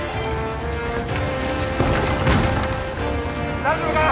大丈夫か？